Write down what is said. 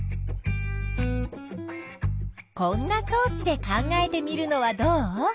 こんなそう置で考えてみるのはどう？